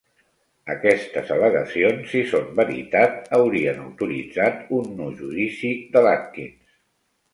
Aquestes al·legacions, si són veritat, haurien autoritzat un nu judici de l'Atkins.